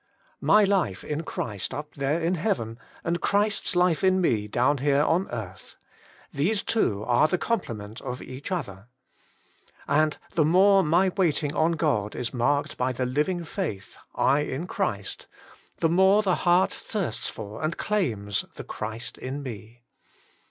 * My life in Christ up there in heaven and Christ's life in me down here on earth — these two are the complement of each other. And the more my waiting on God is marked by the living faith / in Christ, the more the heart thirsts for and claims the Christ in '^me.